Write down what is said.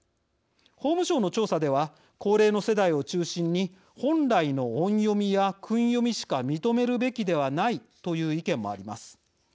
法務省の調査では高齢の世代を中心に本来の音読みや訓読みしか認めるべきではないという意見もあります。